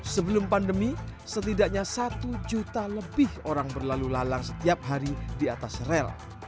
sebelum pandemi setidaknya satu juta lebih orang berlalu lalang setiap hari di atas rel